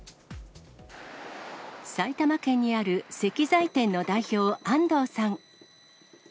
埼玉県にある石材店の代表、安藤さん。